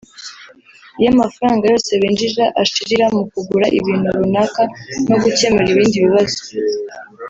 Iyo amafaranga yose winjiza ashirira mu kugura ibintu runaka no gukemura ibindi bibazo